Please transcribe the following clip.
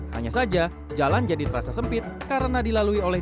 hanya saja jalan jadi terasa sempit karena dilalui oleh